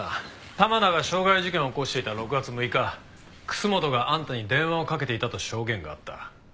玉田が傷害事件を起こしていた６月６日楠本があんたに電話をかけていたと証言があった。